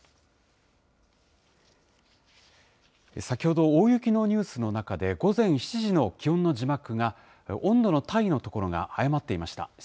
先ほど大雪のニュースの中で、午前７時の気温の字幕が、温度の単位のところが誤っていました。